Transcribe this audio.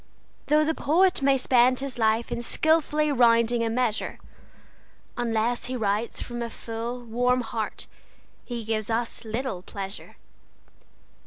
Though the poet may spend his life in skilfully rounding a measure, Unless he writes from a full, warm heart he gives us little pleasure.